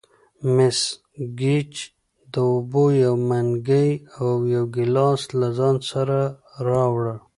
مس ګېج د اوبو یو منګی او یو ګیلاس له ځان سره راوړ.